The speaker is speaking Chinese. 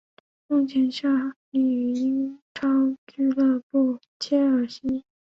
目前效力于英超俱乐部切尔西。